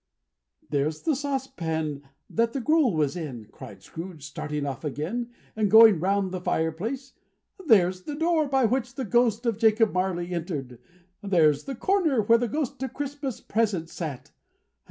"There's the saucepan that the gruel was in!" cried Scrooge, starting off again, and going round the fire place. "There's the door by which the Ghost of Jacob Marley entered! There's the corner where the Ghost of Christmas Present sat!